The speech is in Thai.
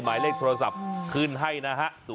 หมายเลขโทรศัพท์ขึ้นให้นะฮะ๐๘๗๐๐๔๔๖๘๑